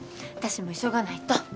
私も急がないと。